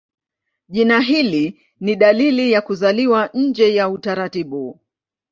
Jina hili ni dalili ya kuzaliwa nje ya utaratibu.